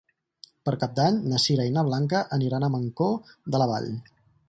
Per Cap d'Any na Sira i na Blanca aniran a Mancor de la Vall.